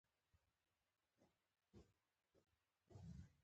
وېښتيان د شخصیت اغېز زیاتوي.